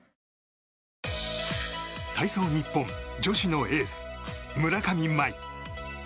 体操日本女子のエース、村上茉愛。